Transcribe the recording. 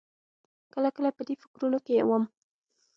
کله کله په دې فکرونو کې وم.